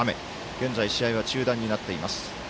現在、試合は中断になっています。